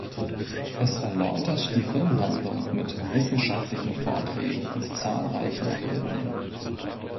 Es erläutert die Filmhandlung mit wissenschaftlichen Vorträgen und zahlreichen Abbildungen.